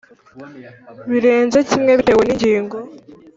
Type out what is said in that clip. birenze kimwe bitewe n’ingingo